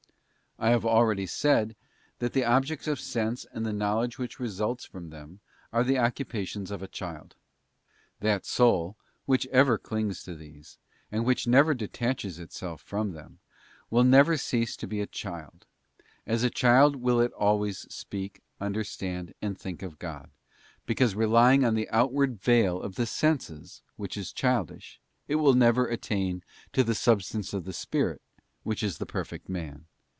'* I have already said that the objects of sense and the knowledge which results from them are the occupations of achild. That soul which ever clings to these, and which never detaches itself from them, will never cease to be a child; asa child will it always speak, understand, and think of God, because relying on the outward veil of the senses which is childish, it will never attain to the Substance of the Spirit, which is the perfect man.